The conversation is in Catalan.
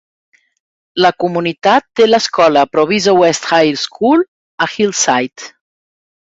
La comunitat té l"escola Proviso West High School a Hillside.